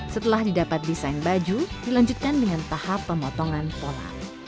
setelah didapat desain baju dilanjutkan dengan tahap pemotongan pola